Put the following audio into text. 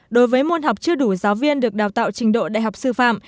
đối với môn học chưa đủ giáo viên được đào tạo trình độ đại học sư phạm